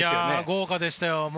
豪華でしたよ。